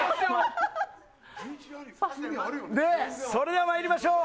それでは参りましょう。